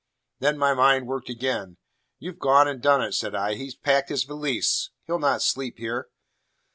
Then my mind worked again. "You've gone and done it," said I. "He's packed his valise. He'll not sleep here."